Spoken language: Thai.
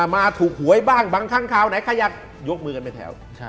มาถูกหวยบ้างบังคังคาวไหนใครอยากยกมือกันไปแถว